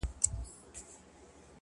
زړه مي دي خاوري سي ډبره دى زړگى نـه دی!!